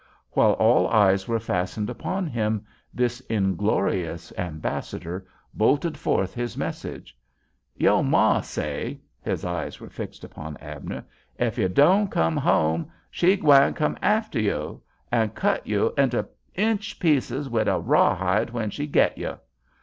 While all eyes were fastened upon him this inglorious ambassador bolted forth his message: "Yo' ma say"—his eyes were fixed upon Abner—"ef yo' don' come home, she gwine come after yo'—an' cut yo' into inch pieces wid a rawhide when she git yo'.